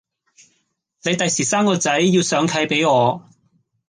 你第時生個仔要上契畀我